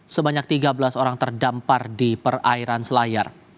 sebanyak tiga belas orang terdampar di perairan selayar